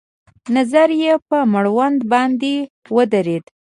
نظر يې په مړوند باندې ودرېد.